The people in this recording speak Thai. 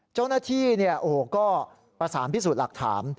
เจ้าหน้าที่ก็ประสานพิสูจน์หลักฐาน